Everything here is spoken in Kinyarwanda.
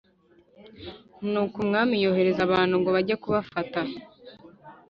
Nuko umwami yohereza abantu ngo bajye kubafata